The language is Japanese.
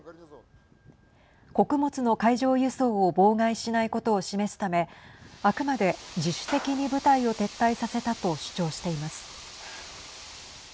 穀物の海上輸送を妨害しないことを示すためあくまで自主的に部隊を撤退させたと主張しています。